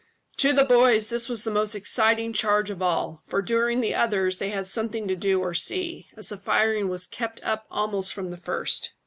To the boys this was the most exciting charge of all, for during the others they had something to do or see, as the firing was kept up almost from the first.